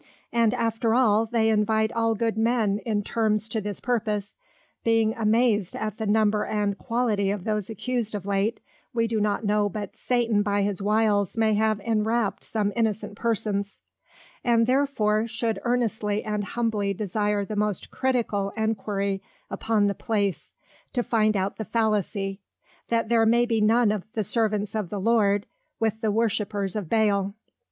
And after all, they invite all good Men, in Terms to this purpose, 'Being amazed at the Number and Quality of those accused of late, we do not know but Satan by his Wiles may have enwrapped some innocent Persons; and therefore should earnestly and humbly desire the most Critical Enquiry upon the place, to find out the Falacy; that there may be none of the Servants of the Lord, with the Worshippers of Baal.'